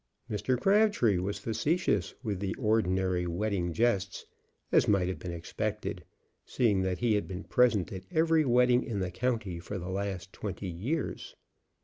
Mr. Crabtree was facetious with the ordinary wedding jests, as might have been expected, seeing that he had been present at every wedding in the county for the last twenty years.